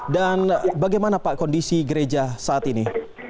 dan bagaimana pak kondisi gereja saat ini